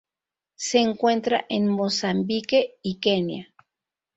Se encuentra en Mozambique y Kenia.